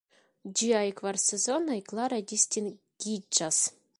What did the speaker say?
Ĝiaj kvar sezonoj klare distingiĝas.